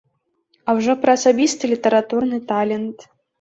А ўжо пра асабісты літаратурны талент.